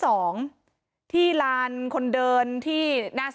พอครูผู้ชายออกมาช่วยพอครูผู้ชายออกมาช่วย